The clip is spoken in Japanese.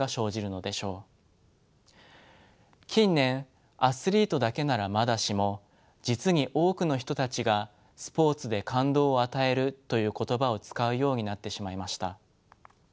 近年アスリートだけならまだしも実に多くの人たちが「スポーツで感動を与える」という言葉を使うようになってしまいました。